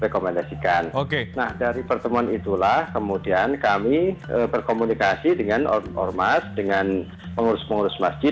kemudian kami berkomunikasi dengan ormas dengan pengurus pengurus masjid